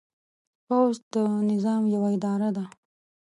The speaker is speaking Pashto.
پوځ د نظام یوه اداره ده.